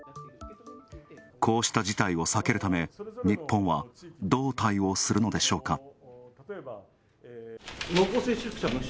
こうした事態を避けるため、日本はどう対応するのでしょうか。